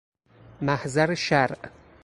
محضر شرع